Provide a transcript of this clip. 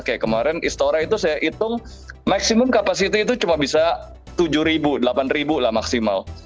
kayak kemarin istora itu saya hitung maksimum kapasiti itu cuma bisa tujuh ribu delapan ribu lah maksimal